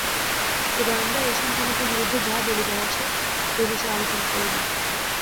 এইবার আমরা এই সাংখ্যমতের বিরুদ্ধে যাহা বলিবার আছে, সেই বিষয়ে আলোচনা করিব।